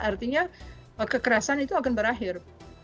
artinya kekerasan itu akan berakhir